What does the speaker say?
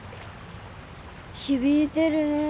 響いてるね。